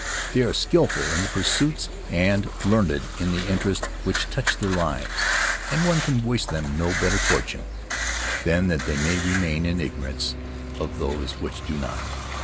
They are skillful in the pursuits and learned in the interests which touch their lives, and one can wish them no better fortune than that they may remain in ignorance of those which do not.